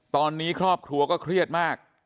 ตอนนี้ครอบครัวก็เครียดมาก